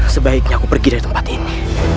sebaiknya aku pergi dari tempat ini